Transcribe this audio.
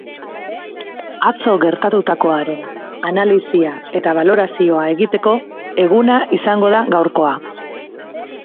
Atzo gertatutakoaren analisia eta balorazioa egiteko eguna izango da gaurkoa.